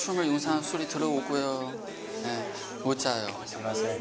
すいません。